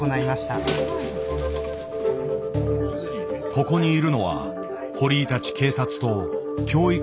ここにいるのは堀井たち警察と教育委員会の担当者。